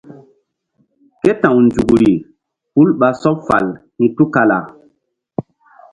Ké ta̧w nzukri hul ɓa sɔɓ fal hi̧ tukala.